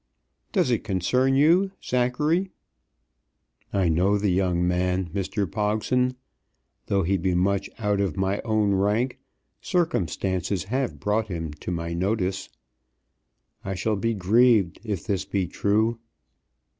"Does it concern you, Zachary?" "I know the young man, Mr. Pogson. Though he be much out of my own rank, circumstances have brought him to my notice. I shall be grieved if this be true.